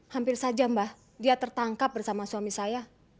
hampir saja mbak dia tertangkap bersama suami saya